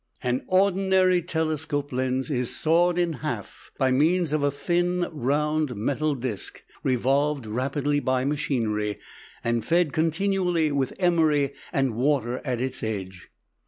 An ordinary telescope lens is sawed in half by means of a thin round metal disk revolved rapidly by machinery, and fed continually with emery and water at its edge.